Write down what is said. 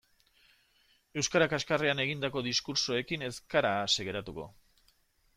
Euskara kaxkarrean egindako diskurtsoekin ez gara ase geratuko.